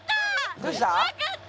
どうした？